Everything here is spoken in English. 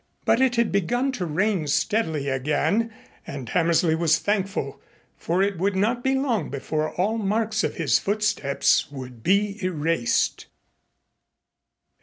But it had begun to rain steadily again and Hammersley was thankful, for it would not be long before all marks of his footsteps would be erased.